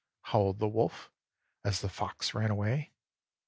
howled the Wolf, as the Fox ran away.